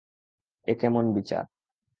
এ কেমন বিচার!